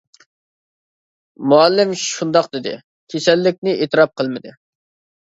مۇئەللىم شۇنداق دېدى، كېسەللىكنى ئېتىراپ قىلمىدى.